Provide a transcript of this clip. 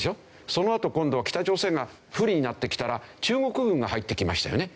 そのあと今度は北朝鮮が不利になってきたら中国軍が入ってきましたよね？